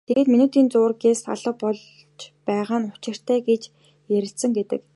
Тэгээд минутын зуур гялс алга болж байгаа нь учиртай гэж ярилцсан гэдэг.